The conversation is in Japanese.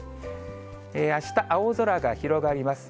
あした、青空が広がります。